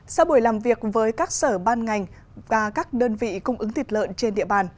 sau buổi làm việc với các sở ban ngành và các đơn vị cung ứng thịt lợn trên địa bàn